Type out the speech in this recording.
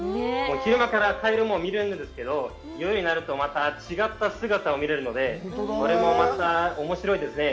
昼間からカエルも見れるんですけど、夜になるとまた違った姿を見れるので、これもまたおもしろいですね。